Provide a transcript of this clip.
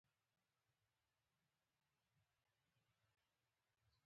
هغه په ډاډمنه توګه وويل چې هغوی ښايي زيری درته ولري